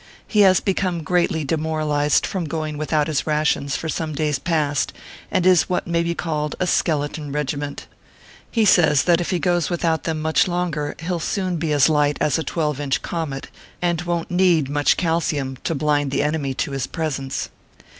He has become greatly demoralized from going without his rations for some days past, and is what may be called a skeleton regiment. He says that if he goes without them much longer, he ll ORPHEUS C. KERB PAPERS. 97 soon be as light as a 12 inch, comet, and won t need much calcium to blind the enemy to his presence.